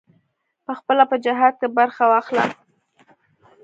پخپله په جهاد کې برخه واخله.